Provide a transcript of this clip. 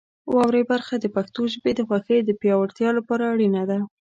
واورئ برخه د پښتو ژبې د خوښۍ د پیاوړتیا لپاره اړینه ده.